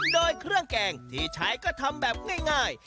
โดยเครื่องแกงที่ใช้ก็ทำแบบง่าย